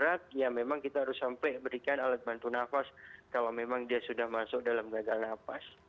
kalau ada kasus yang berat ya memang kita harus sampai berikan alat bantu nafas kalau memang dia sudah masuk dalam gagal nafas